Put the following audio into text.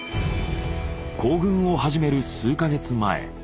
行軍を始める数か月前。